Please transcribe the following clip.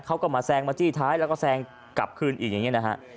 เขาก็มาแซงมาจี้ท้ายแล้วก็แซงกลับคืนอีกอย่างนี้นะฮะ